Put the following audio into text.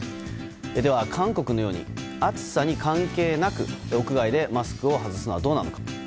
では、韓国のように暑さに関係なく屋外でマスクを外すのはどうなのか。